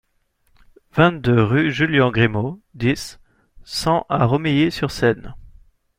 vingt-deux rue Julian Grimau, dix, cent à Romilly-sur-Seine